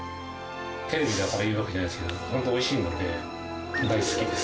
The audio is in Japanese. テレビだから言うわけじゃないですけど、本当、おいしいので、大好きです。